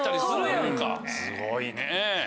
すごいね。